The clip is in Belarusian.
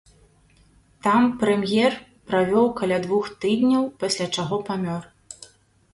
Там прэм'ер правёў каля двух тыдняў, пасля чаго памёр.